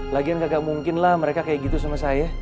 lagian gak mungkin lah mereka kayak gitu sama saya